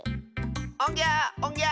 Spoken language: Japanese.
おんぎゃおんぎゃ！